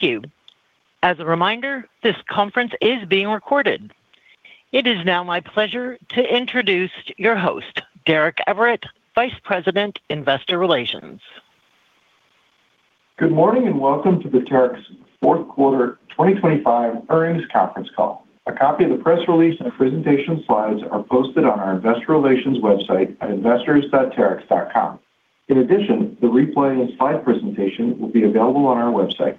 Thank you. As a reminder, this conference is being recorded. It is now my pleasure to introduce your host, Derek Everitt, Vice President, Investor Relations. Good morning and welcome to the Terex Fourth Quarter 2025 Earnings Conference Call. A copy of the press release and presentation slides are posted on our Investor Relations website at investors.terex.com. In addition, the replay and slide presentation will be available on our website.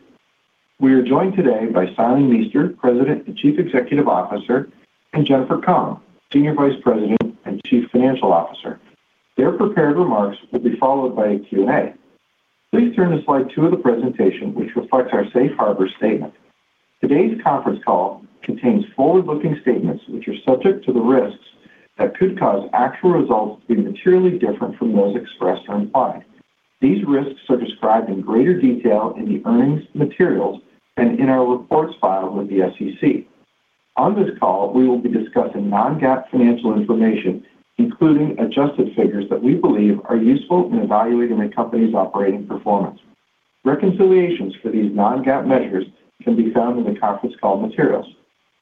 We are joined today by Simon Meester, President and Chief Executive Officer, and Jennifer Kong, Senior Vice President and Chief Financial Officer. Their prepared remarks will be followed by a Q&A. Please turn to slide two of the presentation, which reflects our Safe Harbor statement. Today's conference call contains forward-looking statements which are subject to the risks that could cause actual results to be materially different from those expressed or implied. These risks are described in greater detail in the earnings materials and in our reports filed with the SEC. On this call, we will be discussing non-GAAP financial information, including adjusted figures that we believe are useful in evaluating the company's operating performance. Reconciliations for these non-GAAP measures can be found in the conference call materials.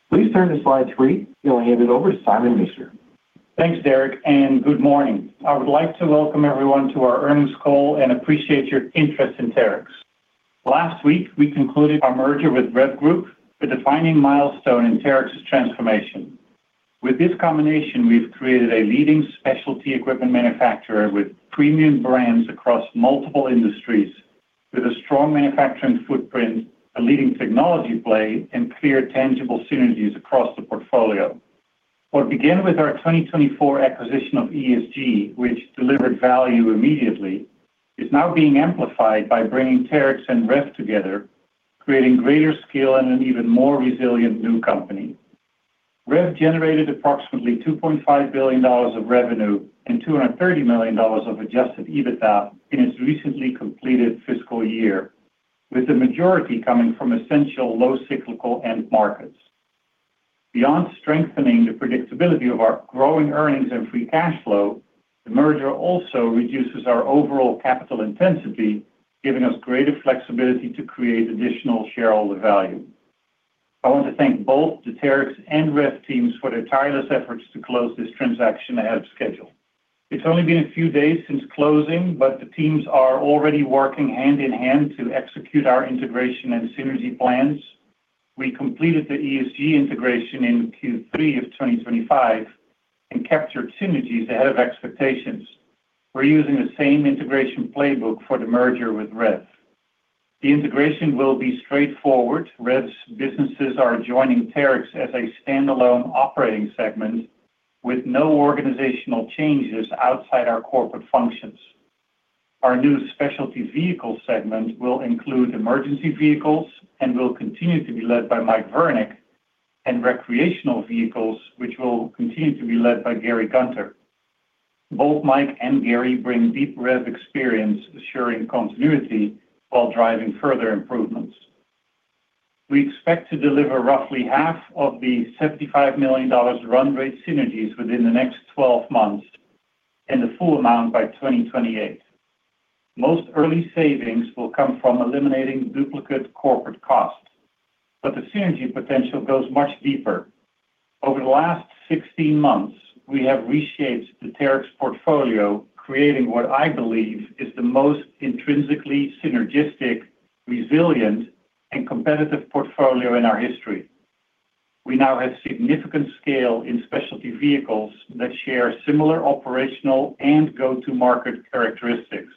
Please turn to slide three. I'll hand it over to Simon Meester. Thanks, Derek, and good morning. I would like to welcome everyone to our earnings call and appreciate your interest in Terex. Last week, we concluded our merger with REV Group, a defining milestone in Terex's transformation. With this combination, we've created a leading specialty equipment manufacturer with premium brands across multiple industries, with a strong manufacturing footprint, a leading technology play, and clear tangible synergies across the portfolio. What began with our 2024 acquisition of ESG, which delivered value immediately, is now being amplified by bringing Terex and REV together, creating greater scale and an even more resilient new company. REV generated approximately $2.5 billion of revenue and $230 million of Adjusted EBITDA in its recently completed fiscal year, with the majority coming from essential low-cyclical end markets. Beyond strengthening the predictability of our growing earnings and free cash flow, the merger also reduces our overall capital intensity, giving us greater flexibility to create additional shareholder value. I want to thank both the Terex and REV teams for their tireless efforts to close this transaction ahead of schedule. It's only been a few days since closing, but the teams are already working hand in hand to execute our integration and synergy plans. We completed the ESG integration in Q3 of 2025 and captured synergies ahead of expectations. We're using the same integration playbook for the merger with REV. The integration will be straightforward. REV's businesses are joining Terex as a standalone operating segment with no organizational changes outside our corporate functions. Our new specialty vehicle segment will include emergency vehicles and will continue to be led by Mike Virnig, and recreational vehicles, which will continue to be led by Gary Gunter. Both Mike and Gary bring deep REV experience, assuring continuity while driving further improvements. We expect to deliver roughly $37.5 million of the $75 million run rate synergies within the next 12 months and the full amount by 2028. Most early savings will come from eliminating duplicate corporate costs, but the synergy potential goes much deeper. Over the last 16 months, we have reshaped the Terex portfolio, creating what I believe is the most intrinsically synergistic, resilient, and competitive portfolio in our history. We now have significant scale in Specialty Vehicles that share similar operational and go-to-market characteristics.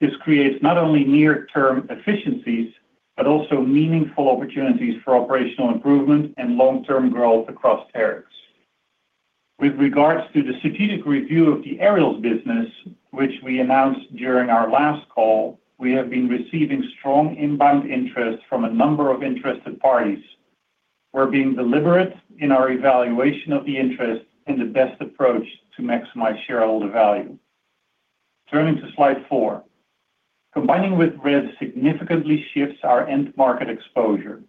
This creates not only near-term efficiencies but also meaningful opportunities for operational improvement and long-term growth across Terex. With regards to the strategic review of the Aerials business, which we announced during our last call, we have been receiving strong inbound interest from a number of interested parties. We're being deliberate in our evaluation of the interest and the best approach to maximize shareholder value. Turning to slide four. Combining with REV significantly shifts our end market exposure.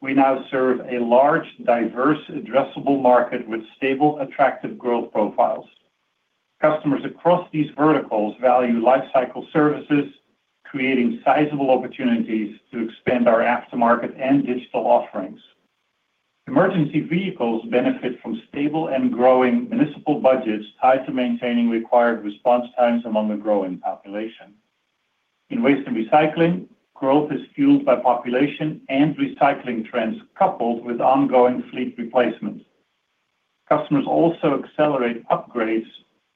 We now serve a large, diverse, addressable market with stable, attractive growth profiles. Customers across these verticals value lifecycle services, creating sizable opportunities to expand our aftermarket and digital offerings. Emergency vehicles benefit from stable and growing municipal budgets tied to maintaining required response times among the growing population. In waste and recycling, growth is fueled by population and recycling trends coupled with ongoing fleet replacement. Customers also accelerate upgrades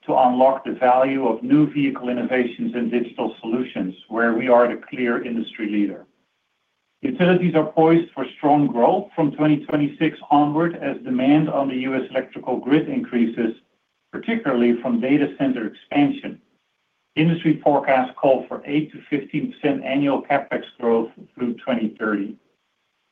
to unlock the value of new vehicle innovations and digital solutions, where we are the clear industry leader. Utilities are poised for strong growth from 2026 onward as demand on the U.S. electrical grid increases, particularly from data center expansion. Industry forecasts call for 8%-15% annual CapEx growth through 2030.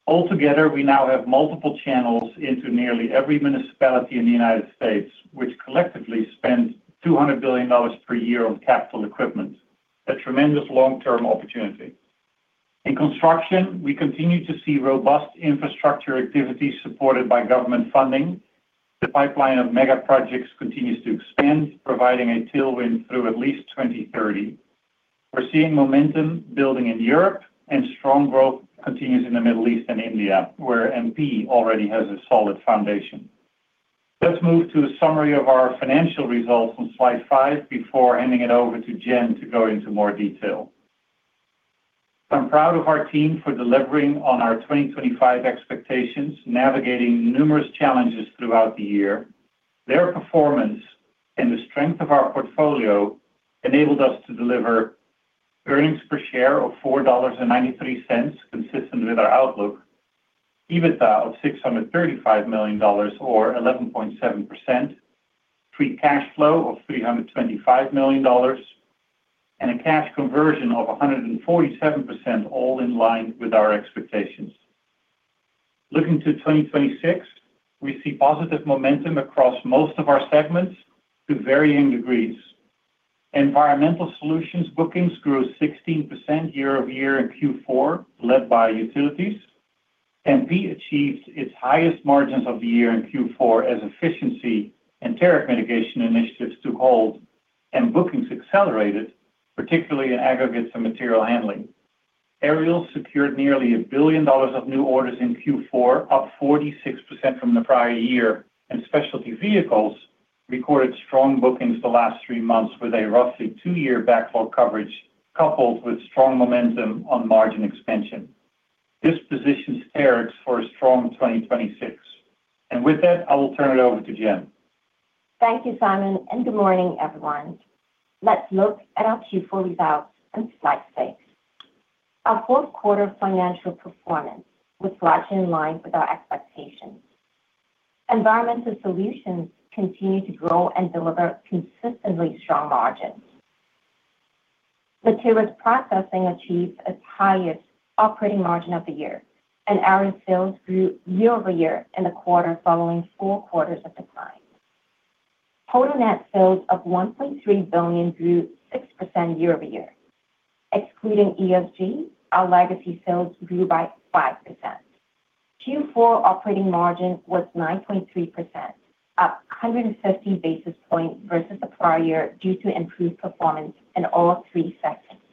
Altogether, we now have multiple channels into nearly every municipality in the United States, which collectively spend $200 billion per year on capital equipment. A tremendous long-term opportunity. In construction, we continue to see robust infrastructure activities supported by government funding. The pipeline of megaprojects continues to expand, providing a tailwind through at least 2030. We're seeing momentum building in Europe, and strong growth continues in the Middle East and India, where MP already has a solid foundation. Let's move to a summary of our financial results on slide five before handing it over to Jen to go into more detail. I'm proud of our team for delivering on our 2025 expectations, navigating numerous challenges throughout the year. Their performance and the strength of our portfolio enabled us to deliver earnings per share of $4.93, consistent with our outlook, EBITDA of $635 million or 11.7%, free cash flow of $325 million, and a cash conversion of 147%, all in line with our expectations. Looking to 2026, we see positive momentum across most of our segments to varying degrees. Environmental Solutions bookings grew 16% year-over-year in Q4, led by Utilities. MP achieved its highest margins of the year in Q4 as efficiency and tariff mitigation initiatives took hold, and bookings accelerated, particularly in aggregates and material handling. Aerials secured nearly $1 billion of new orders in Q4, up 46% from the prior year, and Specialty Vehicles recorded strong bookings the last three months with a roughly two-year backlog coverage coupled with strong momentum on margin expansion. This positions Terex for a strong 2026. With that, I will turn it over to Jen. Thank you, Simon, and good morning, everyone. Let's look at our Q4 results and slide six. Our fourth quarter financial performance was largely in line with our expectations. Environmental Solutions continue to grow and deliver consistently strong margins. Materials Processing achieved its highest operating margin of the year, and Aerial sales grew year-over-year in the quarter following four quarters of decline. Total net sales of $1.3 billion grew 6% year-over-year. Excluding ESG, our legacy sales grew by 5%. Q4 operating margin was 9.3%, up 150 basis points versus the prior year due to improved performance in all three segments.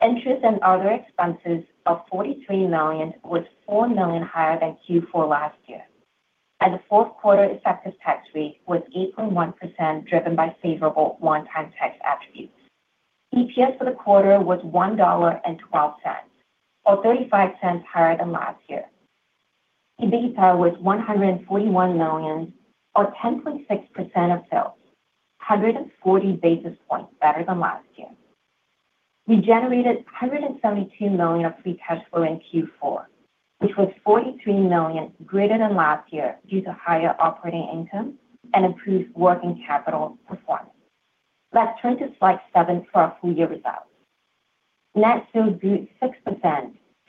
Interest and other expenses of $43 million was $4 million higher than Q4 last year. The fourth quarter effective tax rate was 8.1%, driven by favorable one-time tax attributes. EPS for the quarter was $1.12, or $0.35 higher than last year. EBITDA was $141 million, or 10.6% of sales, 140 basis points better than last year. We generated $172 million of free cash flow in Q4, which was $43 million greater than last year due to higher operating income and improved working capital performance. Let's turn to slide seven for our full year results. Net sales grew 6%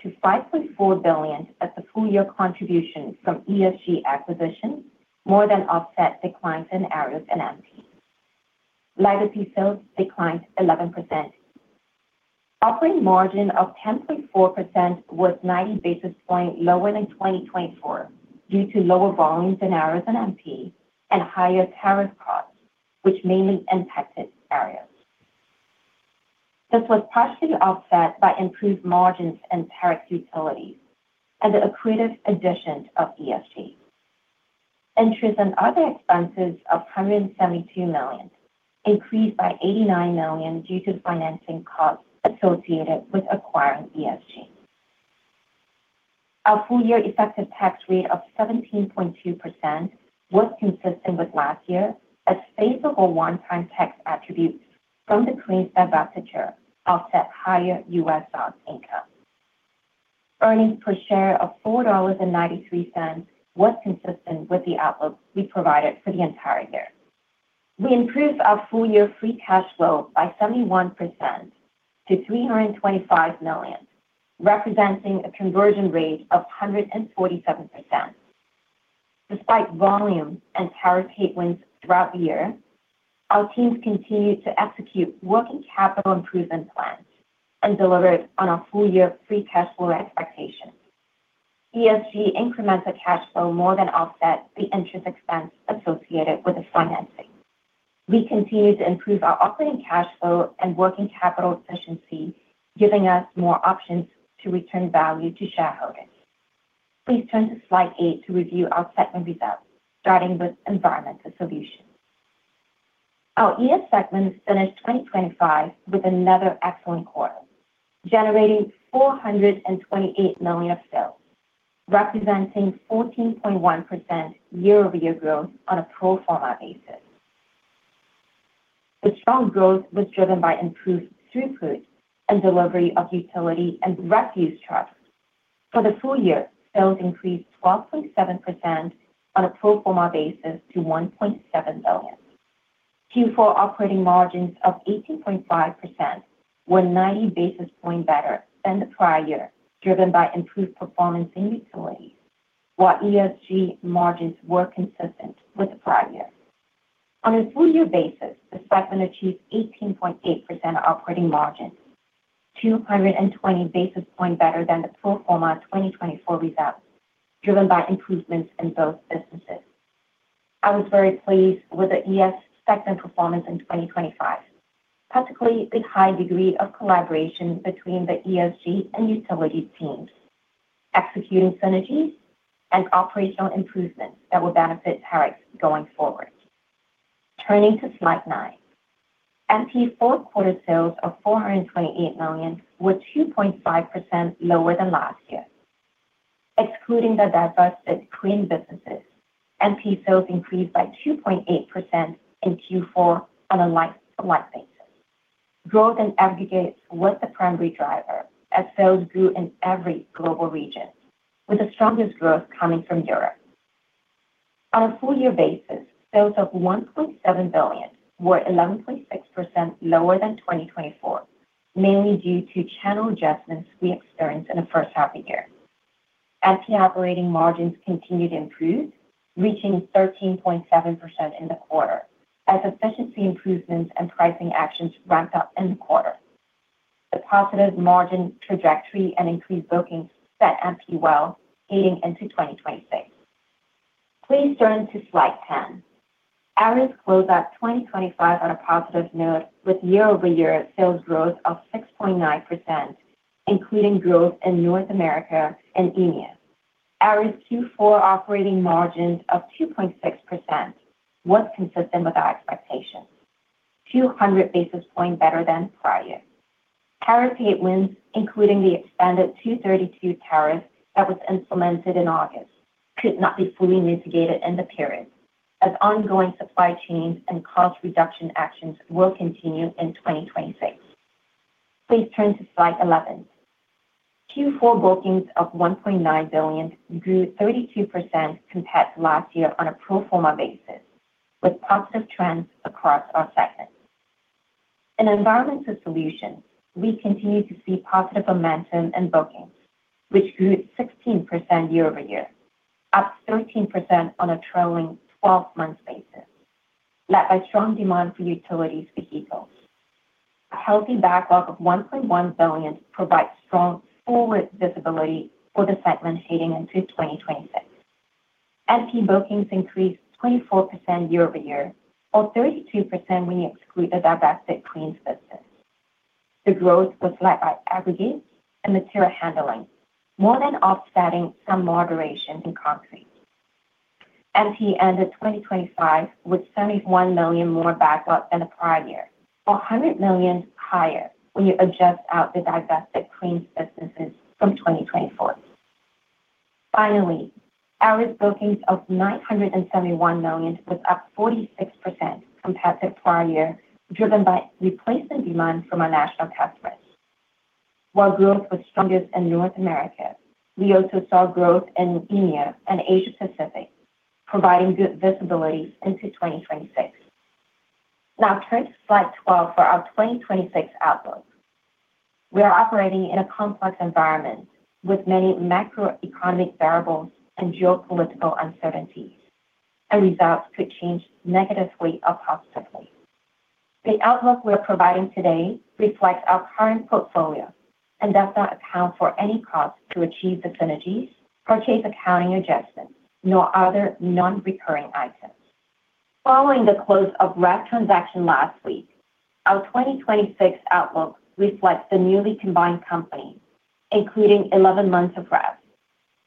to $5.4 billion at the full year contribution from ESG acquisition, more than offset declines in Aerials and MP. Legacy sales declined 11%. Operating margin of 10.4% was 90 basis points lower than 2024 due to lower volumes in Aerials and MP, and higher tariff costs, which mainly impacted Aerials. This was partially offset by improved margins in Terex Utilities and the accretive addition of ESG. Interest and other expenses of $172 million increased by $89 million due to financing costs associated with acquiring ESG. Our full year effective tax rate of 17.2% was consistent with last year as favorable one-time tax attributes from the Queensland voucher offset higher USD income. Earnings per share of $4.93 was consistent with the outlook we provided for the entire year. We improved our full year free cash flow by 71% to $325 million, representing a conversion rate of 147%. Despite volume and tariff headwinds throughout the year, our teams continued to execute working capital improvement plans and delivered on our full year free cash flow expectations. ESG's incremental cash flow more than offset the interest expense associated with the financing. We continue to improve our operating cash flow and working capital efficiency, giving us more options to return value to shareholders. Please turn to slide eight to review our segment results, starting with Environmental Solutions. Our ES segment finished 2025 with another excellent quarter, generating $428 million of sales, representing 14.1% year-over-year growth on a pro forma basis. The strong growth was driven by improved throughput and delivery of utility and refuse trucks. For the full year, sales increased 12.7% on a pro forma basis to $1.7 billion. Q4 operating margins of 18.5% were 90 basis points better than the prior year, driven by improved performance in Utilities, while ESG margins were consistent with the prior year. On a full year basis, the segment achieved 18.8% operating margin, 220 basis points better than the pro forma 2024 results, driven by improvements in both businesses. I was very pleased with the ES segment performance in 2025, particularly the high degree of collaboration between the ESG and utility teams, executing synergies and operational improvements that will benefit Terex going forward. Turning to slide nine. MP fourth-quarter sales of $428 million were 2.5% lower than last year. Excluding the divested Queen businesses, MP sales increased by 2.8% in Q4 on a like-for-like basis. Growth in aggregates was the primary driver as sales grew in every global region, with the strongest growth coming from Europe. On a full-year basis, sales of $1.7 billion were 11.6% lower than 2024, mainly due to channel adjustments we experienced in the first half of the year. MP operating margins continued to improve, reaching 13.7% in the quarter as efficiency improvements and pricing actions ramped up in the quarter. The positive margin trajectory and increased bookings set MP well, heading into 2026. Please turn to slide 10. Aerials closed out 2025 on a positive note with year-over-year sales growth of 6.9%, including growth in North America and EMEA. Aerials Q4 operating margins of 2.6% was consistent with our expectations, 200 basis points better than prior. Tariff headwinds, including the expanded 232 tariff that was implemented in August, could not be fully mitigated in the period as ongoing supply chains and cost reduction actions will continue in 2026. Please turn to slide 11. Q4 bookings of $1.9 billion grew 32% compared to last year on a pro forma basis, with positive trends across our segment. In Environmental Solutions, we continue to see positive momentum in bookings, which grew 16% year-over-year, up 13% on a trailing 12-month basis, led by strong demand for utility vehicles. A healthy backlog of $1.1 billion provides strong forward visibility for the segment heading into 2026. MP bookings increased 24% year-over-year, or 32% when you exclude the divested Queensland business. The growth was led by aggregates and material handling, more than offsetting some moderation in concrete. MP ended 2025 with $71 million more backlog than the prior year, or $100 million higher when you adjust out the divested Queensland businesses from 2024. Finally, Aerials bookings of $971 million was up 46% compared to the prior year, driven by replacement demand from our national customers. While growth was strongest in North America, we also saw growth in EMEA and Asia Pacific, providing good visibility into 2026. Now, turn to slide 12 for our 2026 outlook. We are operating in a complex environment with many macroeconomic variables and geopolitical uncertainties, and results could change negatively or positively. The outlook we are providing today reflects our current portfolio and does not account for any cost to achieve the synergies, purchase accounting adjustments, nor other non-recurring items. Following the close of REV transaction last week, our 2026 outlook reflects the newly combined companies, including 11 months of REV,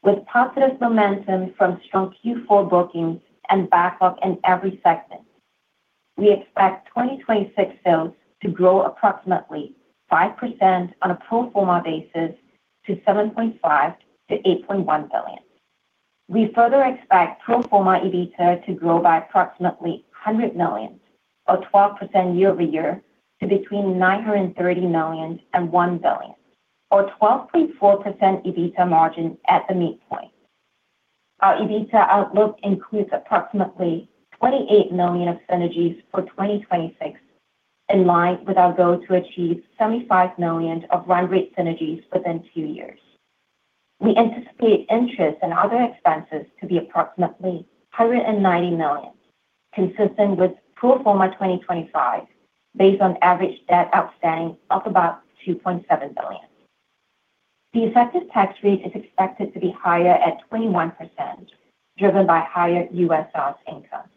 with positive momentum from strong Q4 bookings and backlog in every segment. We expect 2026 sales to grow approximately 5% on a pro forma basis to $7.5-$8.1 billion. We further expect pro forma EBITDA to grow by approximately $100 million, or 12% year-over-year, to between $930 million and $1 billion, or 12.4% EBITDA margin at the midpoint. Our EBITDA outlook includes approximately $28 million of synergies for 2026, in line with our goal to achieve $75 million of run rate synergies within two years. We anticipate interest and other expenses to be approximately $190 million, consistent with pro forma 2025, based on average debt outstanding of about $2.7 billion. The effective tax rate is expected to be higher at 21%, driven by higher USD income.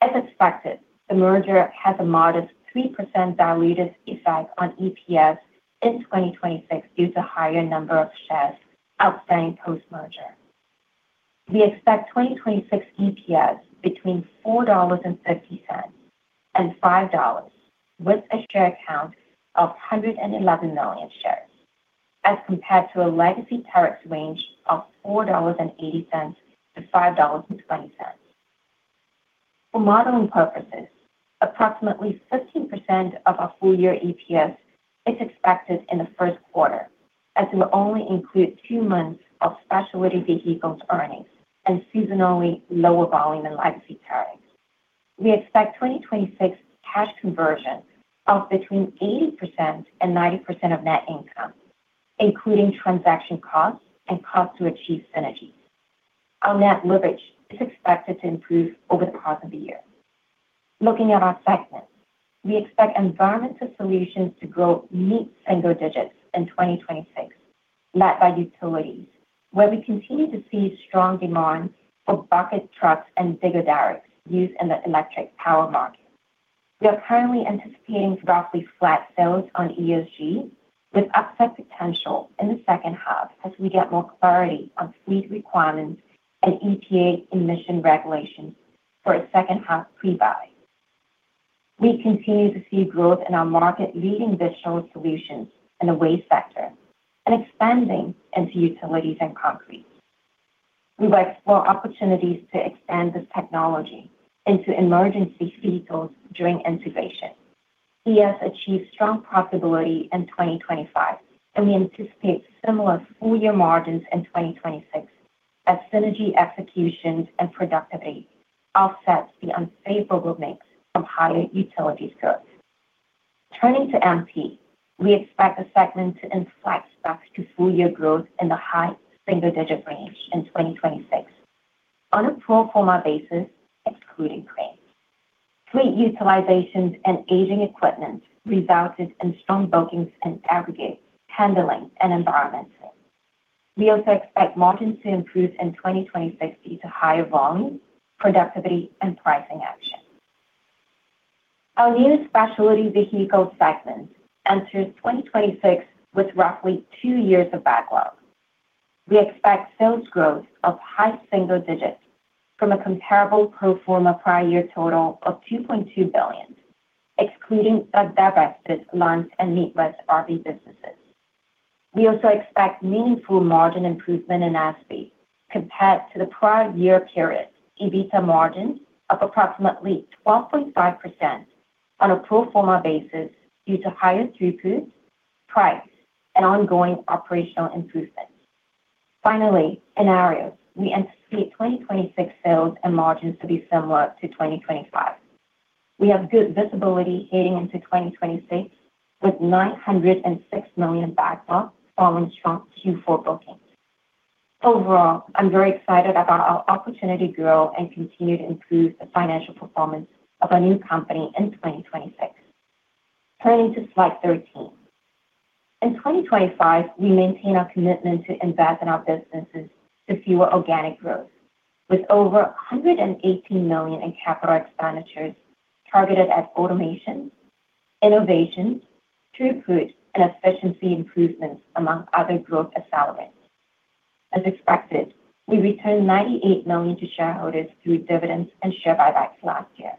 As expected, the merger has a modest 3% diluted effect on EPS in 2026 due to higher number of shares outstanding post-merger. We expect 2026 EPS between $4.50-$5, with a share account of 111 million shares, as compared to a legacy Terex range of $4.80-$5.20. For modeling purposes, approximately 15% of our full year EPS is expected in the first quarter, as it will only include two months of Specialty Vehicles earnings and seasonally lower volume in legacy Terex. We expect 2026 cash conversion of between 80% and 90% of net income, including transaction costs and costs to achieve synergies. Our net leverage is expected to improve over the course of the year. Looking at our segments, we expect Environmental Solutions to grow in the single digits in 2026, led by Utilities, where we continue to see strong demand for bucket trucks and digger derricks used in the electric power market. We are currently anticipating roughly flat sales on ESG, with upside potential in the second half as we get more clarity on fleet requirements and EPA emission regulations for a second-half prebuy. We continue to see growth in our market leading digital solutions in the waste sector and expanding into Utilities and concrete. We will explore opportunities to extend this technology into emergency vehicles during integration. ES achieved strong profitability in 2025, and we anticipate similar full year margins in 2026 as synergy executions and productivity offset the unfavorable mix from higher Utilities growth. Turning to MP, we expect the segment to inflect back to full year growth in the high single digit range in 2026 on a pro forma basis, excluding Queensland. Fleet utilizations and aging equipment resulted in strong bookings in aggregate handling and environmental. We also expect margins to improve in 2026 due to higher volume, productivity, and pricing action. Our new specialty vehicle segment enters 2026 with roughly two years of backlog. We expect sales growth of high single digits from a comparable pro forma prior year total of $2.2 billion, excluding the divested Lance Camper and Midwest Automotive Designs RV businesses. We also expect meaningful margin improvement in SV compared to the prior year period EBITDA margin of approximately 12.5% on a pro forma basis due to higher throughput, price, and ongoing operational improvements. Finally, in Aerials, we anticipate 2026 sales and margins to be similar to 2025. We have good visibility heading into 2026 with $906 million backlog following strong Q4 bookings. Overall, I'm very excited about our opportunity to grow and continue to improve the financial performance of our new company in 2026. Turning to slide 13. In 2025, we maintain our commitment to invest in our businesses to fuel organic growth, with over $118 million in capital expenditures targeted at automation, innovation, throughput, and efficiency improvements, among other growth accelerants. As expected, we returned $98 million to shareholders through dividends and share buybacks last year.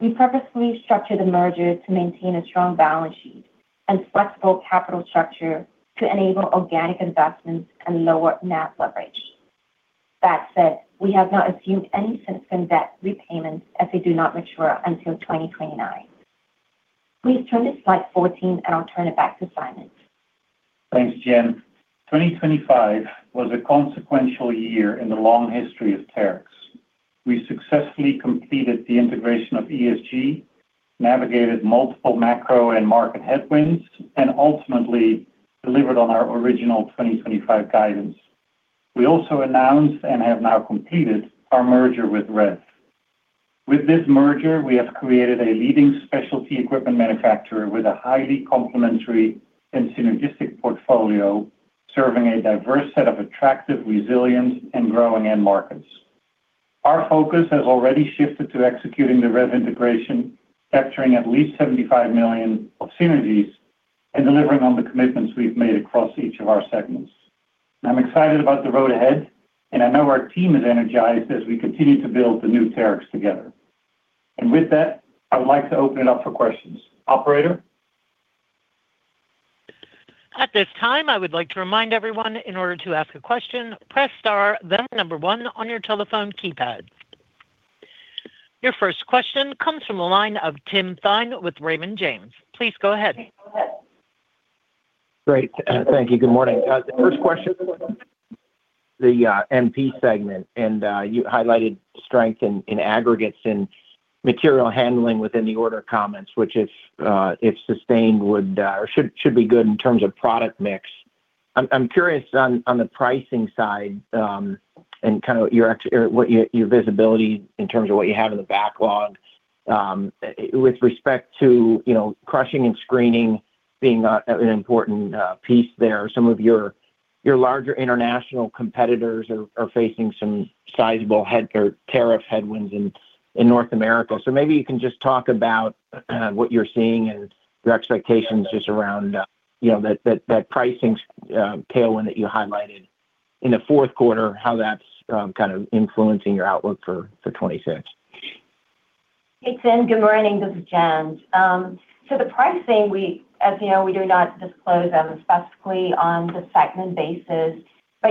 We purposefully structured the merger to maintain a strong balance sheet and flexible capital structure to enable organic investments and lower net leverage. That said, we have not assumed any significant debt repayments as they do not mature until 2029. Please turn to slide 14, and I'll turn it back to Simon. Thanks, Jen. 2025 was a consequential year in the long history of Terex. We successfully completed the integration of ESG, navigated multiple macro and market headwinds, and ultimately delivered on our original 2025 guidance. We also announced and have now completed our merger with REV. With this merger, we have created a leading specialty equipment manufacturer with a highly complementary and synergistic portfolio serving a diverse set of attractive, resilient, and growing end markets. Our focus has already shifted to executing the REV integration, capturing at least $75 million of synergies, and delivering on the commitments we've made across each of our segments. I'm excited about the road ahead, and I know our team is energized as we continue to build the new Terex together. And with that, I would like to open it up for questions. Operator? At this time, I would like to remind everyone, in order to ask a question, press star, then one on your telephone keypad. Your first question comes from the line of Tim Thein with Raymond James. Please go ahead. Great. Thank you. Good morning. The first question. The MP segment, and you highlighted strength in aggregates and material handling within the order comments, which if sustained would or should be good in terms of product mix. I'm curious on the pricing side and kind of your visibility in terms of what you have in the backlog with respect to crushing and screening being an important piece there. Some of your larger international competitors are facing some sizable tariff headwinds in North America. So maybe you can just talk about what you're seeing and your expectations just around that pricing tailwind that you highlighted in the fourth quarter, how that's kind of influencing your outlook for 2026. Hey, Tim. Good morning. This is Jen. So the pricing, as you know, we do not disclose specifically on the segment basis, but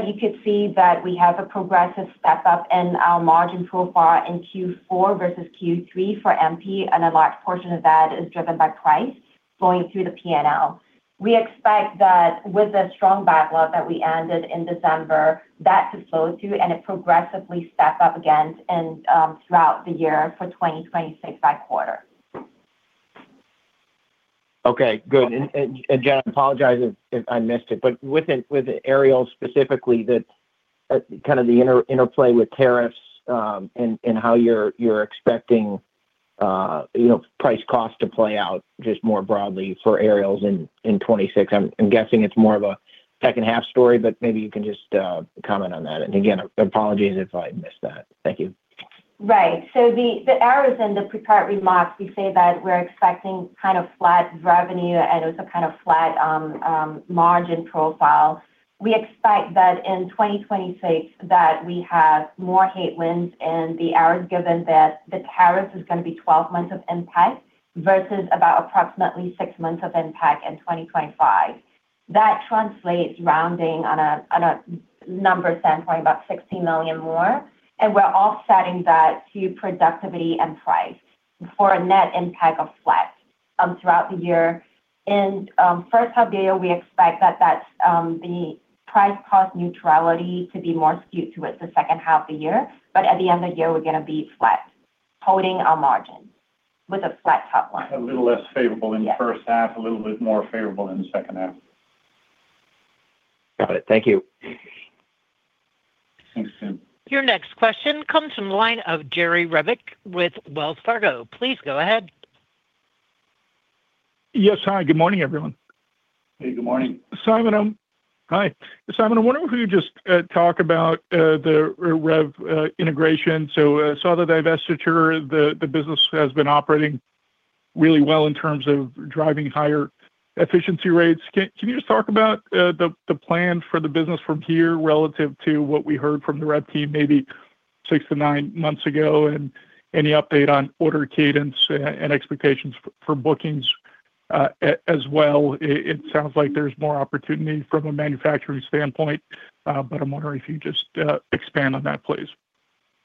you could see that we have a progressive step up in our margin profile in Q4 versus Q3 for MP, and a large portion of that is driven by price flowing through the P&L. We expect that with the strong backlog that we ended in December, that to flow through, and it progressively step up again throughout the year for 2026 by quarter. Okay. Good. Jen, I apologize if I missed it, but with Aerials specifically, kind of the interplay with tariffs and how you're expecting price cost to play out just more broadly for Aerials in 2026, I'm guessing it's more of a second-half story, but maybe you can just comment on that. And again, apologies if I missed that. Thank you. Right. So the errors in the prepared remarks, we say that we're expecting kind of flat revenue and also kind of flat margin profile. We expect that in 2026, that we have more headwinds in the hours given that the tariffs is going to be 12 months of impact versus about approximately six months of impact in 2025. That translates rounding on a number standpoint, about $16 million more, and we're offsetting that to productivity and price for a net impact of flat throughout the year. In first-half year, we expect that the price cost neutrality to be more skewed towards the second-half of the year, but at the end of the year, we're going to be flat, holding our margins with a flat top line. A little less favorable in the first half, a little bit more favorable in the second half. Got it. Thank you. Thanks, Tim. Your next question comes from the line of Jerry Revich with Wells Fargo. Please go ahead. Yes. Hi. Good morning, everyone. Hey. Good morning. Simon? Hi. Simon? I wondered if we could just talk about the REV integration. I saw the divestiture. The business has been operating really well in terms of driving higher efficiency rates. Can you just talk about the plan for the business from here relative to what we heard from the REV team maybe six to nine months ago and any update on order cadence and expectations for bookings as well? It sounds like there's more opportunity from a manufacturing standpoint, but I'm wondering if you could just expand on that, please.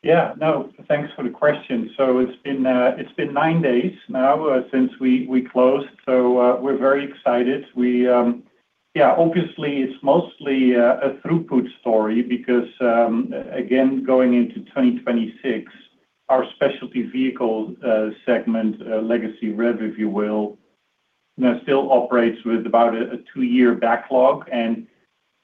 Yeah. No. Thanks for the question. So it's been nine days now since we closed, so we're very excited. Yeah. Obviously, it's mostly a throughput story because, again, going into 2026, our specialty vehicle segment, legacy REV, if you will, still operates with about a 2-year backlog, and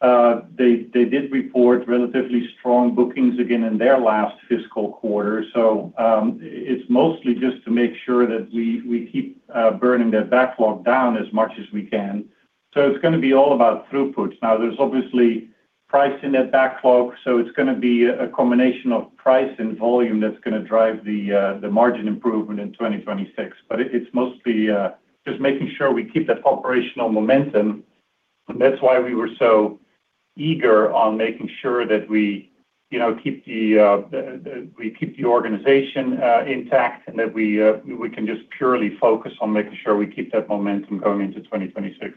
they did report relatively strong bookings again in their last fiscal quarter. So it's mostly just to make sure that we keep burning that backlog down as much as we can. So it's going to be all about throughput. Now, there's obviously price in that backlog, so it's going to be a combination of price and volume that's going to drive the margin improvement in 2026. But it's mostly just making sure we keep that operational momentum. That's why we were so eager on making sure that we keep the organization intact and that we can just purely focus on making sure we keep that momentum going into 2026.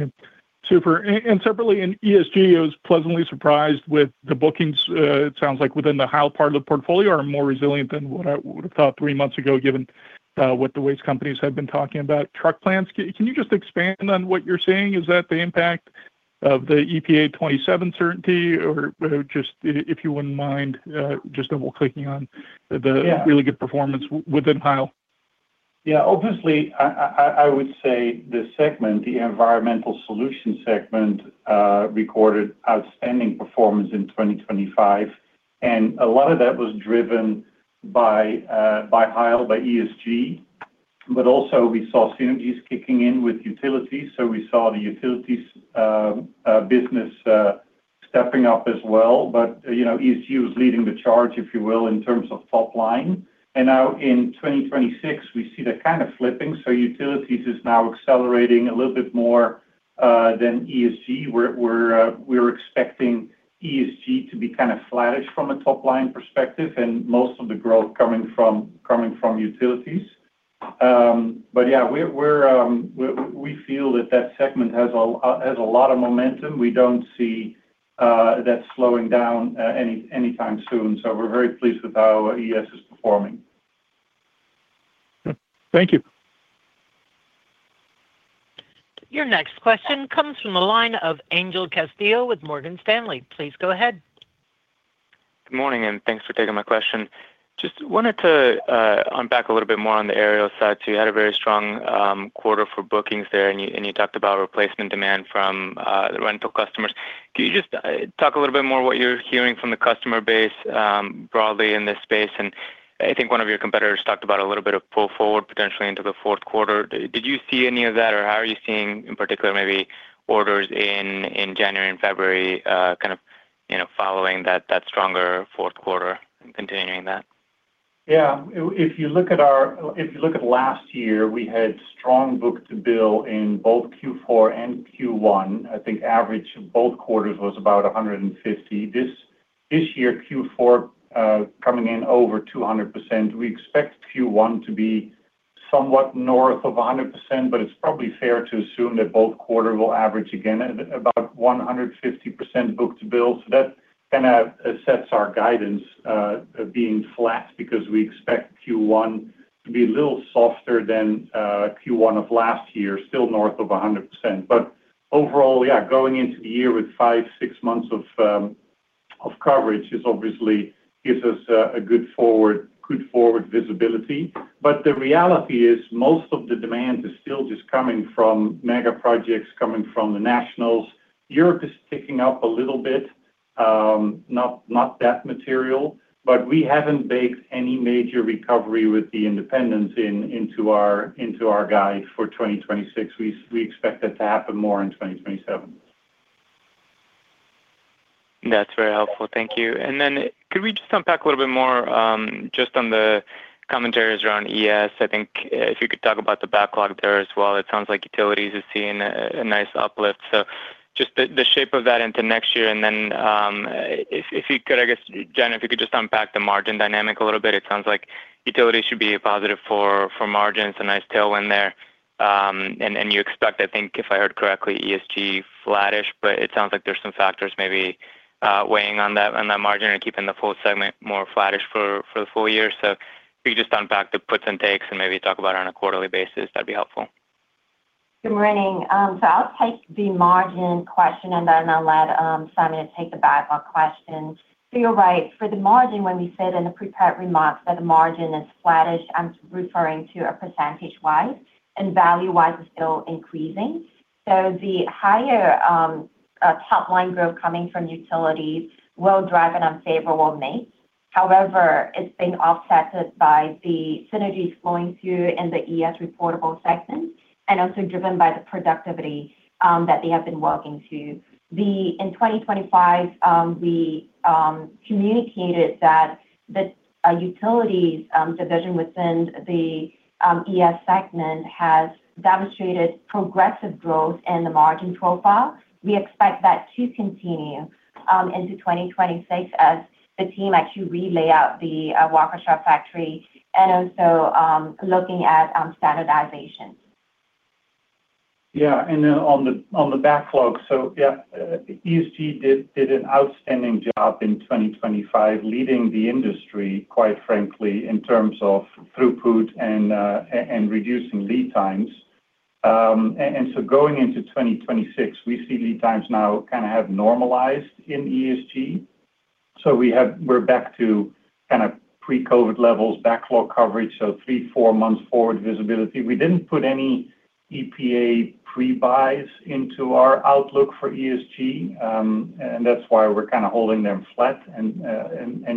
Okay. Super. And separately, ESG is pleasantly surprised with the bookings, it sounds like, within the high part of the portfolio are more resilient than what I would have thought three months ago given what the waste companies have been talking about. Truck plants, can you just expand on what you're saying? Is that the impact of the EPA '27 certainty or just if you wouldn't mind just double-clicking on the really good performance within Heil? Yeah. Obviously, I would say the segment, the Environmental Solutions segment, recorded outstanding performance in 2025, and a lot of that was driven by Heil, by ESG. But also, we saw synergies kicking in with Utilities, so we saw the Utilities business stepping up as well. But ESG was leading the charge, if you will, in terms of top line. And now in 2026, we see that kind of flipping, so Utilities is now accelerating a little bit more than ESG. We're expecting ESG to be kind of flattish from a top-line perspective and most of the growth coming from Utilities. But yeah, we feel that that segment has a lot of momentum. We don't see that slowing down anytime soon, so we're very pleased with how ES is performing. Thank you. Your next question comes from the line of Angel Castillo with Morgan Stanley. Please go ahead. Good morning, and thanks for taking my question. Just wanted to unpack a little bit more on the aerial side too. You had a very strong quarter for bookings there, and you talked about replacement demand from the rental customers. Can you just talk a little bit more what you're hearing from the customer base broadly in this space? And I think one of your competitors talked about a little bit of pull forward potentially into the fourth quarter. Did you see any of that, or how are you seeing, in particular, maybe orders in January and February kind of following that stronger fourth quarter and continuing that? Yeah. If you look at last year, we had strong book-to-bill in both Q4 and Q1. I think average both quarters was about 150%. This year, Q4 coming in over 200%. We expect Q1 to be somewhat north of 100%, but it's probably fair to assume that both quarters will average again at about 150% book-to-bill. So that kind of sets our guidance being flat because we expect Q1 to be a little softer than Q1 of last year, still north of 100%. But overall, yeah, going into the year with 5-6 months of coverage obviously gives us a good forward visibility. But the reality is most of the demand is still just coming from mega projects, coming from the nationals. Europe is picking up a little bit, not that material, but we haven't baked any major recovery with the independents into our guide for 2026. We expect that to happen more in 2027. That's very helpful. Thank you. And then could we just unpack a little bit more just on the commentaries around ES? I think if you could talk about the backlog there as well, it sounds like Utilities is seeing a nice uplift. So just the shape of that into next year, and then if you could, I guess, Jen, if you could just unpack the margin dynamic a little bit. It sounds like Utilities should be a positive for margins, a nice tailwind there. And you expect, I think, if I heard correctly, ESG flattish, but it sounds like there's some factors maybe weighing on that margin and keeping the full segment more flattish for the full year. So if you could just unpack the puts and takes and maybe talk about it on a quarterly basis, that'd be helpful. Good morning. So I'll take the margin question, and then I'll let Simon take the backlog question. So you're right. For the margin, when we said in the prepared remarks that the margin is flattish, I'm referring to a percentage-wise, and value-wise is still increasing. So the higher top-line growth coming from Utilities will drive an unfavorable mix. However, it's being offset by the synergies flowing through in the ES reportable segments and also driven by the productivity that they have been working to. In 2025, we communicated that the Utilities division within the ES segment has demonstrated progressive growth in the margin profile. We expect that to continue into 2026 as the team actually re-layout the Waukesha factory and also looking at standardization. Yeah. And then on the backlog, so yeah, ESG did an outstanding job in 2025 leading the industry, quite frankly, in terms of throughput and reducing lead times. And so going into 2026, we see lead times now kind of have normalized in ESG. So we're back to kind of pre-COVID levels, backlog coverage, so 3-4 months forward visibility. We didn't put any EPA prebuys into our outlook for ESG, and that's why we're kind of holding them flat. And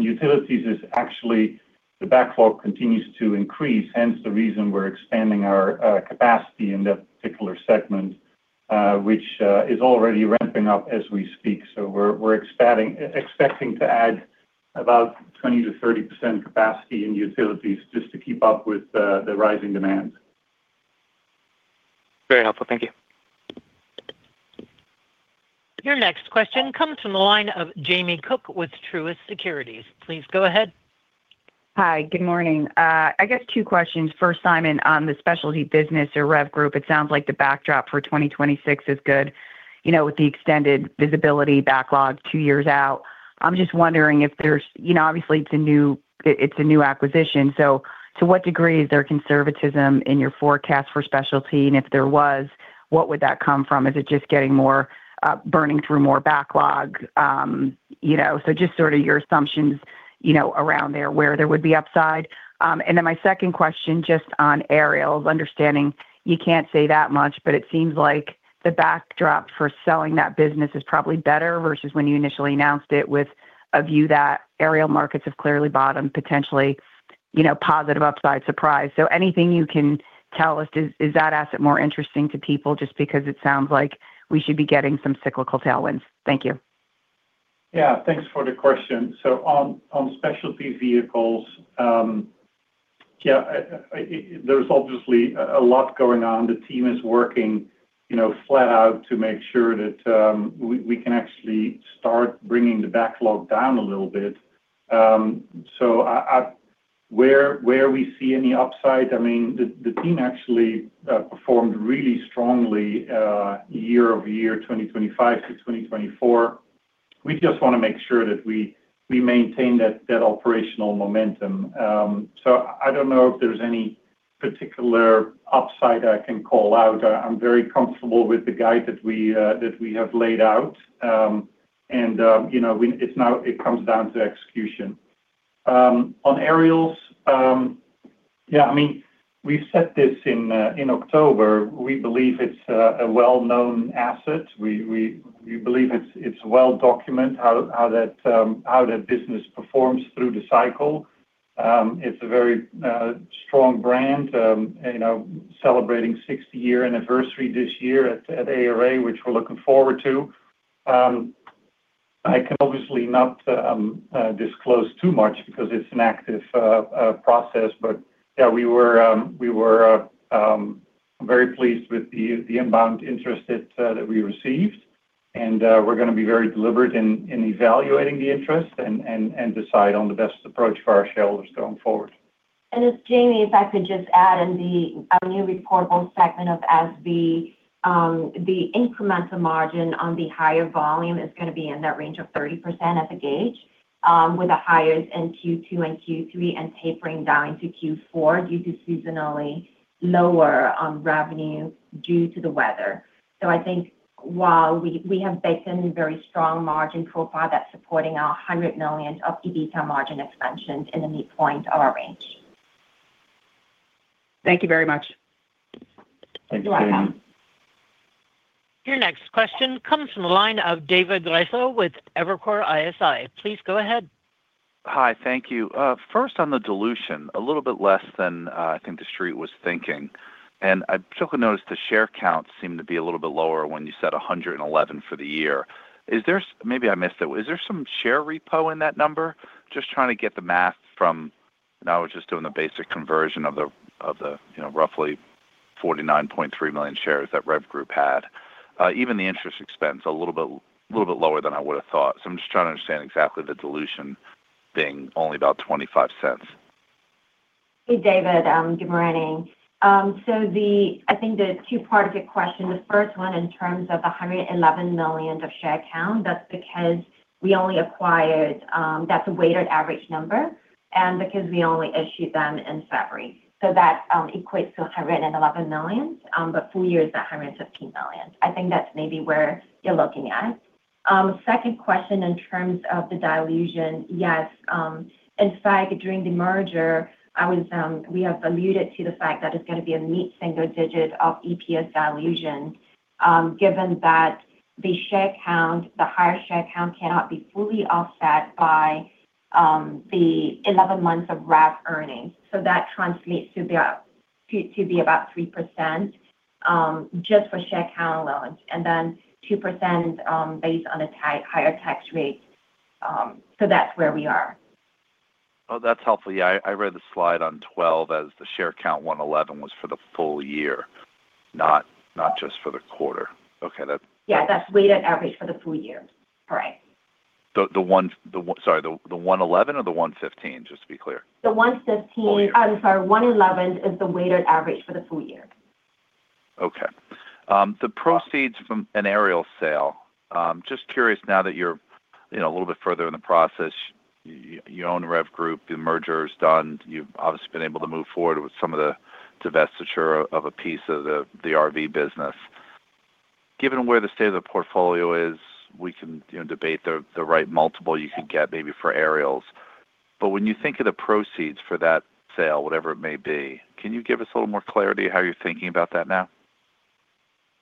Utilities is actually the backlog continues to increase, hence the reason we're expanding our capacity in that particular segment, which is already ramping up as we speak. So we're expecting to add about 20%-30% capacity in Utilities just to keep up with the rising demand. Very helpful. Thank you. Your next question comes from the line of Jamie Cook with Truist Securities. Please go ahead. Hi. Good morning. I guess two questions. First, Simon, on the specialty business or REV Group, it sounds like the backdrop for 2026 is good with the extended visibility backlog two years out. I'm just wondering if there's obviously, it's a new acquisition. So to what degree is there conservatism in your forecast for specialty? And if there was, what would that come from? Is it just getting more burning through more backlog? So just sort of your assumptions around there where there would be upside. And then my second question just on Aerials, understanding you can't say that much, but it seems like the backdrop for selling that business is probably better versus when you initially announced it with a view that aerial markets have clearly bottomed, potentially positive upside surprise. So anything you can tell us, is that asset more interesting to people just because it sounds like we should be getting some cyclical tailwinds? Thank you. Yeah. Thanks for the question. So on Specialty Vehicles, yeah, there's obviously a lot going on. The team is working flat out to make sure that we can actually start bringing the backlog down a little bit. So where we see any upside, I mean, the team actually performed really strongly year-over-year, 2025 to 2024. We just want to make sure that we maintain that operational momentum. So I don't know if there's any particular upside I can call out. I'm very comfortable with the guide that we have laid out, and it comes down to execution. On Aerials, yeah, I mean, we've set this in October. We believe it's a well-known asset. We believe it's well-documented how that business performs through the cycle. It's a very strong brand celebrating 60-year anniversary this year at ARA, which we're looking forward to. I can obviously not disclose too much because it's an active process, but yeah, we were very pleased with the inbound interest that we received. We're going to be very deliberate in evaluating the interest and decide on the best approach for our shareholders going forward. And if Jamie, if I could just add, in the new reportable segment of SV, the incremental margin on the higher volume is going to be in that range of 30% as a gauge with the highs in Q2 and Q3 and tapering down into Q4 due to seasonally lower revenue due to the weather. So I think while we have baked in a very strong margin profile that's supporting our $100 million EBITDA margin expansion in the midpoint of our range. Thank you very much. Thank you, Jamie. You're welcome. Your next question comes from the line of David Raso with Evercore ISI. Please go ahead. Hi. Thank you. First, on the dilution, a little bit less than I think the street was thinking. I took notice the share count seemed to be a little bit lower when you said 111 for the year. Maybe I missed it. Is there some share repo in that number? Just trying to get the math from and I was just doing the basic conversion of the roughly 49.3 million shares that REV Group had. Even the interest expense, a little bit lower than I would have thought. So I'm just trying to understand exactly the dilution being only about $0.25. Hey, David. Good morning. So I think the two parts of your question. The first one, in terms of the 111 million of share count, that's because we only acquired that's a weighted average number and because we only issued them in February. So that equates to 111 million, but full year is that 115 million. I think that's maybe where you're looking at. Second question, in terms of the dilution, yes. In fact, during the merger, we have alluded to the fact that it's going to be a net single digit of EPS dilution given that the share count, the higher share count, cannot be fully offset by the 11 months of REV earnings. So that translates to be about 3% just for share count alone and then 2% based on a higher tax rate. So that's where we are. Oh, that's helpful. Yeah. I read the slide on 12 as the share count 111 was for the full year, not just for the quarter. Okay. That's. Yeah. That's weighted average for the full year. Correct. The one, sorry, the 111 or the 115, just to be clear? The 115. Full year. I'm sorry. 111 is the weighted average for the full year. Okay. The proceeds from an Aerials sale, just curious now that you're a little bit further in the process, you own REV Group, the merger is done. You've obviously been able to move forward with some of the divestiture of a piece of the RV business. Given where the state of the portfolio is, we can debate the right multiple you could get maybe for Aerials. But when you think of the proceeds for that sale, whatever it may be, can you give us a little more clarity how you're thinking about that now?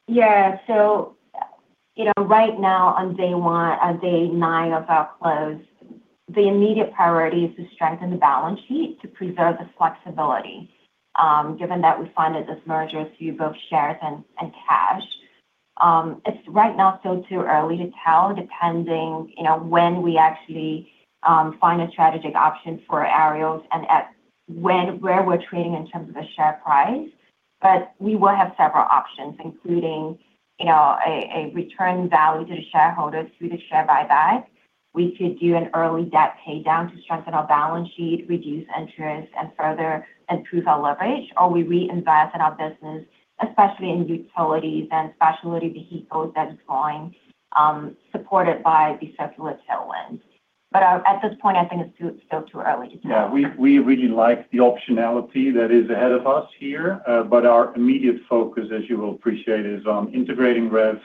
Yeah. So right now, on day one, on day nine of our close, the immediate priority is to strengthen the balance sheet to preserve the flexibility given that we funded this merger through both shares and cash. It's right now still too early to tell depending when we actually find a strategic option for Aerials and where we're trading in terms of the share price. But we will have several options, including a return value to the shareholders through the share buyback. We could do an early debt paydown to strengthen our balance sheet, reduce interest, and further improve our leverage, or we reinvest in our business, especially in Utilities and Specialty Vehicles that's going supported by the secular tailwind. But at this point, I think it's still too early to tell. Yeah. We really like the optionality that is ahead of us here. But our immediate focus, as you will appreciate, is on integrating REV,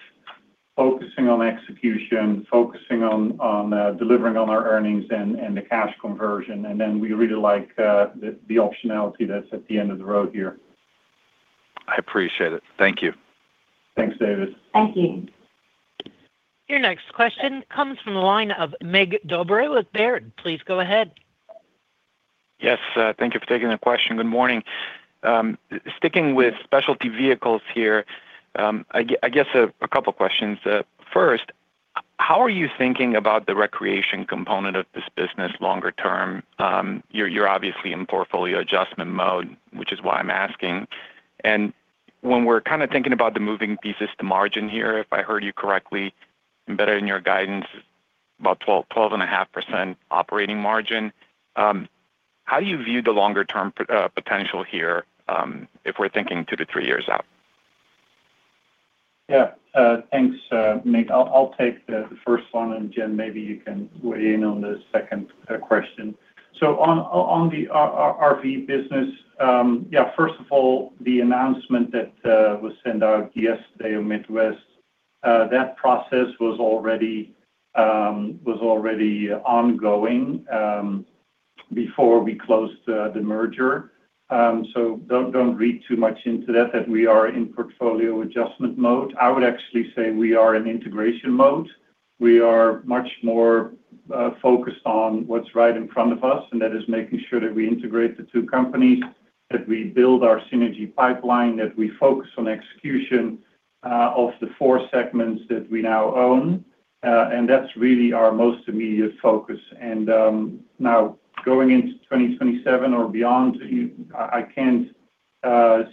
focusing on execution, focusing on delivering on our earnings, and the cash conversion. And then we really like the optionality that's at the end of the road here. I appreciate it. Thank you. Thanks, David. Thank you. Your next question comes from the line of Mircea Dobre with Baird. Please go ahead. Yes. Thank you for taking the question. Good morning. Sticking with Specialty Vehicles here, I guess a couple of questions. First, how are you thinking about the recreational component of this business longer term? You're obviously in portfolio adjustment mode, which is why I'm asking. And when we're kind of thinking about the moving pieces to margin here, if I heard you correctly and better in your guidance, about 12.5% operating margin. How do you view the longer-term potential here if we're thinking two to three years out? Yeah. Thanks, Mircea. I'll take the first one, and Jen, maybe you can weigh in on the second question. So on the RV business, yeah, first of all, the announcement that was sent out yesterday on Midwest, that process was already ongoing before we closed the merger. So don't read too much into that, that we are in portfolio adjustment mode. I would actually say we are in integration mode. We are much more focused on what's right in front of us, and that is making sure that we integrate the two companies, that we build our synergy pipeline, that we focus on execution of the four segments that we now own. And that's really our most immediate focus. And now, going into 2027 or beyond, I can't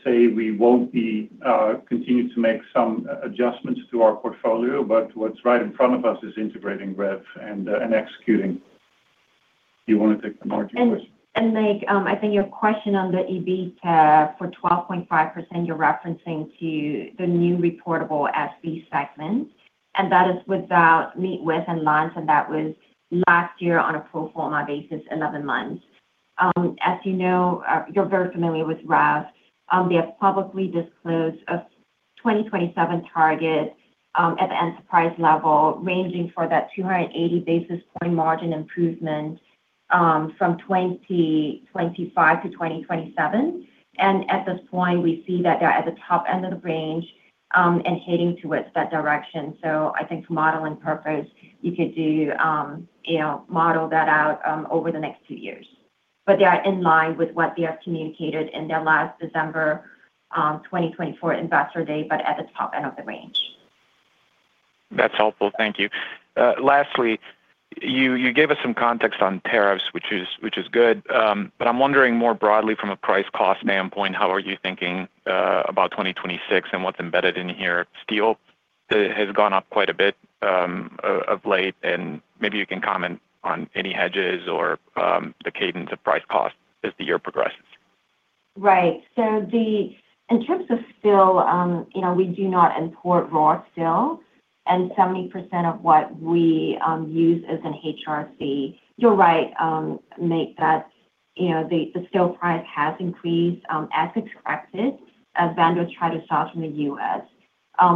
say we won't continue to make some adjustments to our portfolio, but what's right in front of us is integrating REV and executing. You want to take the margin question? And Mircea, I think your question on the EBITDA for 12.5%, you're referencing to the new reportable SV segment, and that is without Midwest and Lance, and that was last year on a pro forma basis, 11 months. As you know, you're very familiar with REV. They have publicly disclosed a 2027 target at the enterprise level ranging for that 280 basis point margin improvement from 2025 to 2027. And at this point, we see that they're at the top end of the range and heading towards that direction. So I think for modeling purposes, you could do model that out over the next two years. But they are in line with what they have communicated in their last December 2024 investor day, but at the top end of the range. That's helpful. Thank you. Lastly, you gave us some context on tariffs, which is good. But I'm wondering more broadly from a price-cost standpoint, how are you thinking about 2026 and what's embedded in here? Steel has gone up quite a bit of late, and maybe you can comment on any hedges or the cadence of price-cost as the year progresses. Right. So in terms of steel, we do not import raw steel, and 70% of what we use is in HRC. You're right, Mircea that the steel price has increased as expected as vendors try to sell from the U.S.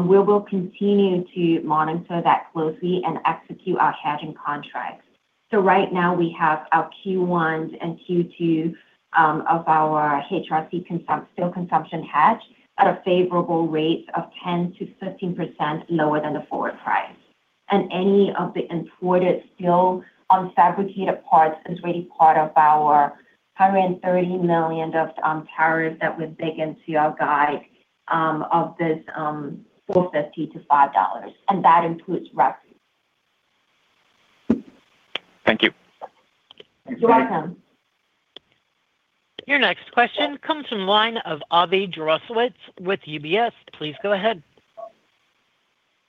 We will continue to monitor that closely and execute our hedging contracts. So right now, we have our Q1s and Q2s of our HRC steel consumption hedge at a favorable rate of 10%-15% lower than the forward price. And any of the imported steel on fabricated parts is already part of our $130 million of tariffs that we've baked into our guide of $4.50-$5. And that includes REV. Thank you. You're welcome. Your next question comes from the line of Avi Jaroslawicz with UBS. Please go ahead.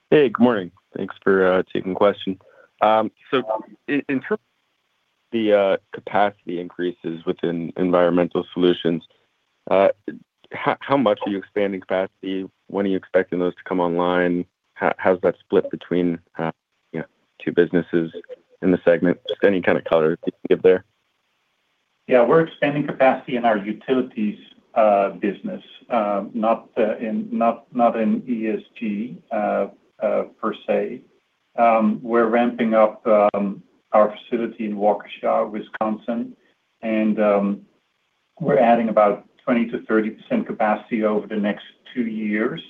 Hey. Good morning. Thanks for taking the question. So in terms of the capacity increases within Environmental Solutions, how much are you expanding capacity? When are you expecting those to come online? How's that split between two businesses in the segment? Just any kind of color if you can give there? Yeah. We're expanding capacity in our Utilities business, not in ESG per se. We're ramping up our facility in Waukesha, Wisconsin, and we're adding about 20%-30% capacity over the next two years.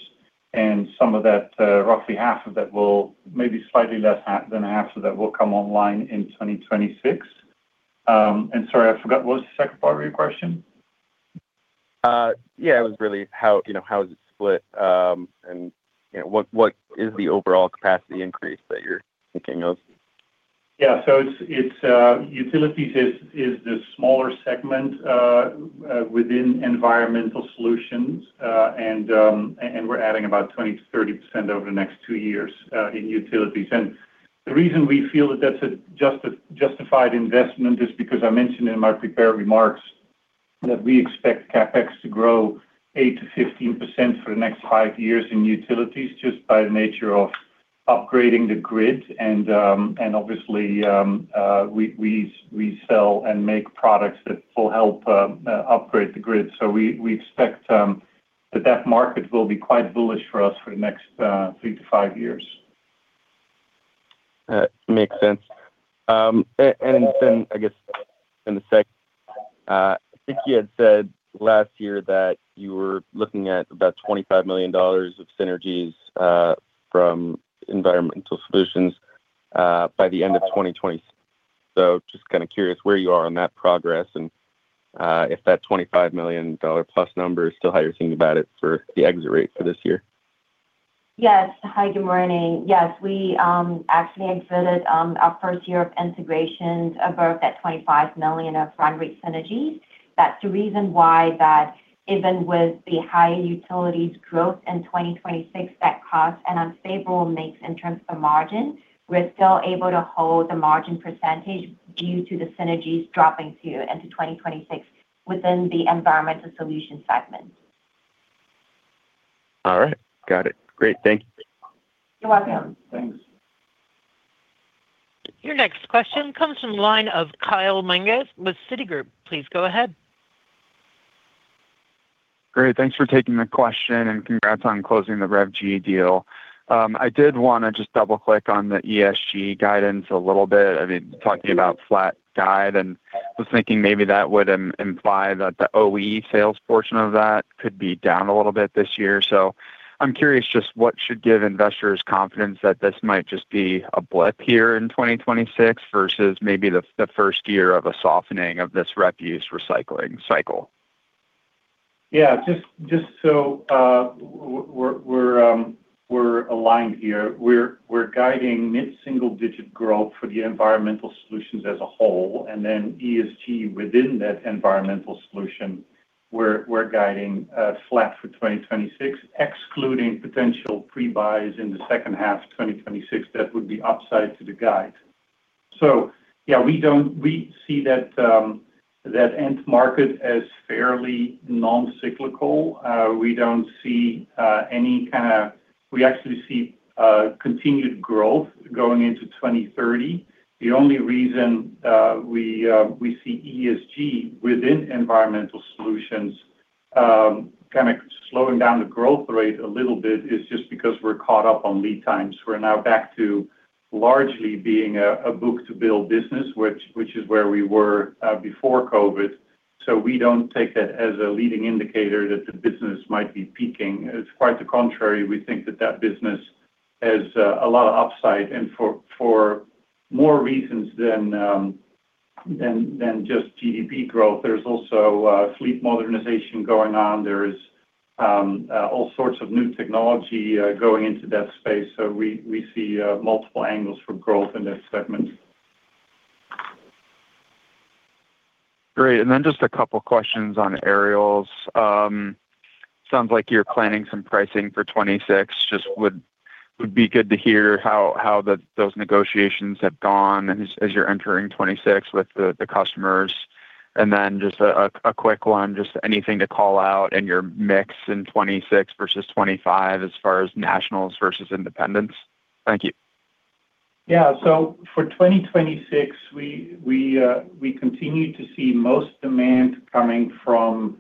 And some of that, roughly half of that will maybe slightly less than half of that will come online in 2026. And sorry, I forgot. What was the second part of your question? Yeah. It was really how is it split and what is the overall capacity increase that you're thinking of? Yeah. So Utilities is the smaller segment within Environmental Solutions, and we're adding about 20%-30% over the next two years in Utilities. And the reason we feel that that's a justified investment is because I mentioned in my prepared remarks that we expect CapEx to grow 8%-15% for the next five years in Utilities just by the nature of upgrading the grid. And obviously, we sell and make products that will help upgrade the grid. So we expect that that market will be quite bullish for us for the next three to five years. Makes sense. And then I guess in a second, I think you had said last year that you were looking at about $25 million of synergies from Environmental Solutions by the end of 2026. So just kind of curious where you are on that progress and if that $25 million+ number is still how you're thinking about it for the exit rate for this year. Yes. Hi. Good morning. Yes. We actually exited our first year of integrations above that $25 million of run-rate synergies. That's the reason why that even with the higher Utilities growth in 2026, that cost and unfavorable makes in terms of the margin, we're still able to hold the margin percentage due to the synergies dropping into 2026 within the Environmental Solutions segment. All right. Got it. Great. Thank you. You're welcome. Thanks. Your next question comes from the line of Kyle Menges with Citigroup. Please go ahead. Great. Thanks for taking the question, and congrats on closing the REVG deal. I did want to just double-click on the ESG guidance a little bit. I mean, talking about flat guide, and I was thinking maybe that would imply that the OE sales portion of that could be down a little bit this year. So I'm curious just what should give investors confidence that this might just be a blip here in 2026 versus maybe the first year of a softening of this refuse recycling cycle? Yeah. Just so we're aligned here, we're guiding mid-single-digit growth for Environmental Solutions as a whole. And then ESG within that environmental solution, we're guiding flat for 2026, excluding potential pre-buys in the second half of 2026 that would be upside to the guide. So yeah, we see that end market as fairly non-cyclical. We actually see continued growth going into 2030. The only reason we see ESG within Environmental Solutions kind of slowing down the growth rate a little bit is just because we're caught up on lead times. We're now back to largely being a book-to-bill business, which is where we were before COVID. So we don't take that as a leading indicator that the business might be peaking. It's quite the contrary. We think that that business has a lot of upside and for more reasons than just GDP growth. There's also fleet modernization going on. There is all sorts of new technology going into that space. So we see multiple angles for growth in that segment. Great. Then just a couple of questions on Aerials. Sounds like you're planning some pricing for 2026. Just would be good to hear how those negotiations have gone as you're entering 2026 with the customers. Then just a quick one, just anything to call out in your mix in 2026 versus 2025 as far as nationals versus independents? Thank you. Yeah. So for 2026, we continue to see most demand coming from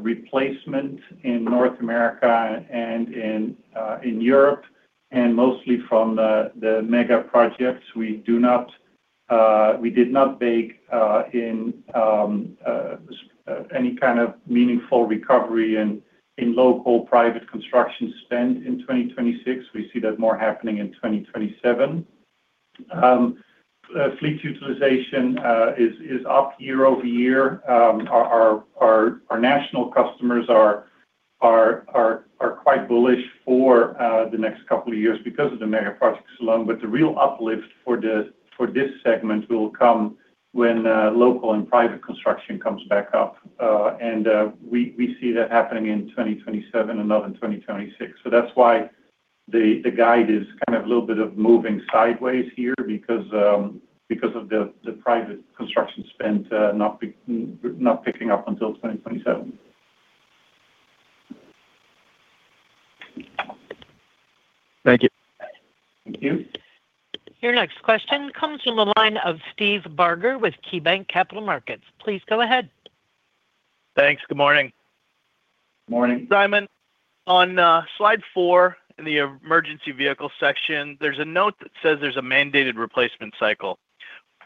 replacement in North America and in Europe, and mostly from the mega projects. We did not bake in any kind of meaningful recovery in local private construction spend in 2026. We see that more happening in 2027. Fleet utilization is up year-over-year. Our national customers are quite bullish for the next couple of years because of the mega projects alone. But the real uplift for this segment will come when local and private construction comes back up. And we see that happening in 2027 and not in 2026. So that's why the guide is kind of a little bit of moving sideways here because of the private construction spend not picking up until 2027. Thank you. Thank you. Your next question comes from the line of Steve Barger with KeyBanc Capital Markets. Please go ahead. Thanks. Good morning. Morning. Simon, on slide four in the emergency vehicle section, there's a note that says there's a mandated replacement cycle.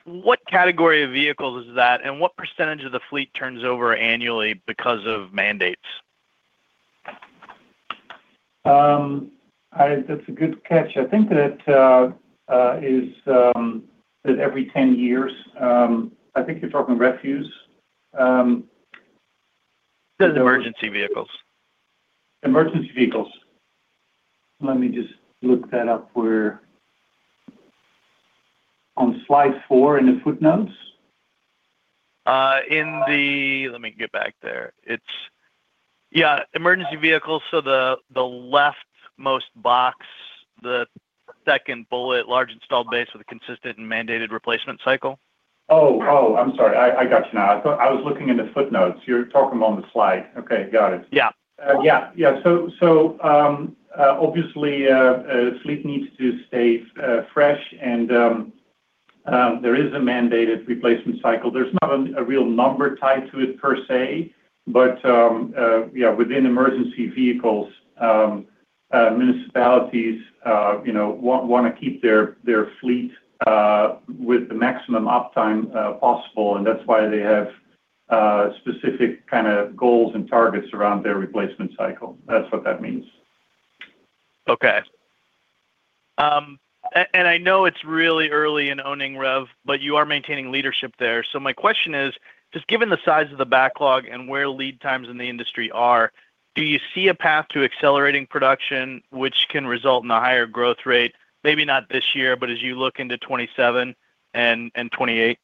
What category of vehicles is that, and what percentage of the fleet turns over annually because of mandates? That's a good catch. I think that it's every 10 years. I think you're talking refuse. Does emergency vehicles? Emergency vehicles. Let me just look that up on slide four in the footnotes. Let me get back there. Yeah. Emergency vehicles, so the leftmost box, the second bullet, large installed base with a consistent and mandated replacement cycle? Oh, oh, I'm sorry. I got you now. I was looking in the footnotes. You're talking on the slide. Okay. Got it. Yeah. Yeah. Yeah. So obviously, fleet needs to stay fresh, and there is a mandated replacement cycle. There's not a real number tied to it per se, but yeah, within emergency vehicles, municipalities want to keep their fleet with the maximum uptime possible, and that's why they have specific kind of goals and targets around their replacement cycle. That's what that means. Okay. And I know it's really early in owning REV, but you are maintaining leadership there. So my question is, just given the size of the backlog and where lead times in the industry are, do you see a path to accelerating production which can result in a higher growth rate, maybe not this year, but as you look into 2027 and 2028?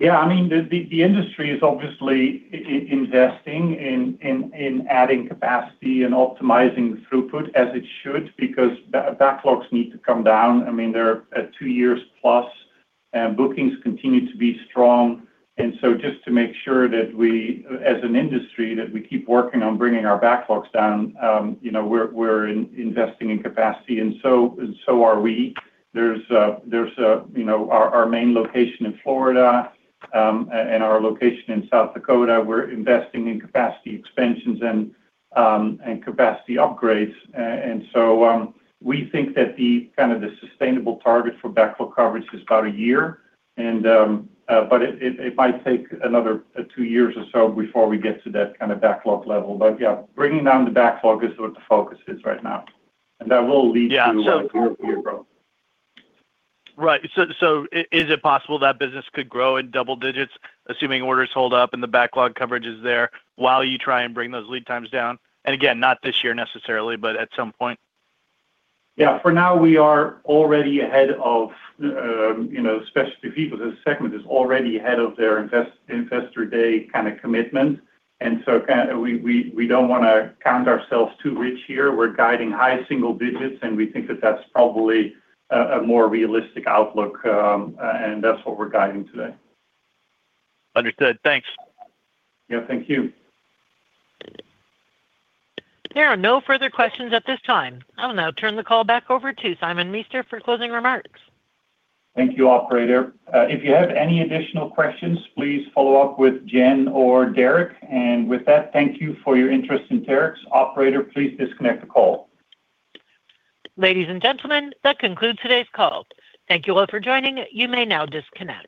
Yeah. I mean, the industry is obviously investing in adding capacity and optimizing throughput as it should because backlogs need to come down. I mean, they're at two years+. Bookings continue to be strong. And so just to make sure that we, as an industry, keep working on bringing our backlogs down, we're investing in capacity, and so are we. Our main location in Florida and our location in South Dakota, we're investing in capacity expansions and capacity upgrades. And so we think that kind of the sustainable target for backlog coverage is about a year, but it might take another two years or so before we get to that kind of backlog level. But yeah, bringing down the backlog is what the focus is right now, and that will lead to a year-over-year growth. Yeah. So, right. So is it possible that business could grow in double digits, assuming orders hold up and the backlog coverage is there, while you try and bring those lead times down? And again, not this year necessarily, but at some point. Yeah. For now, we are already ahead of Specialty Vehicles as a segment is already ahead of their Investor Day kind of commitment. And so we don't want to count ourselves too rich here. We're guiding high single digits, and we think that that's probably a more realistic outlook, and that's what we're guiding today. Understood. Thanks. Yeah. Thank you. There are no further questions at this time. I'll now turn the call back over to Simon Meester for closing remarks. Thank you, operator. If you have any additional questions, please follow up with Jen or Derek. And with that, thank you for your interest in Terex. Operator, please disconnect the call. Ladies and gentlemen, that concludes today's call. Thank you all for joining. You may now disconnect.